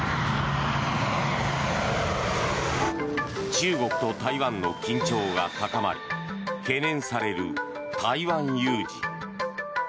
中国と台湾の緊張が高まり懸念される台湾有事。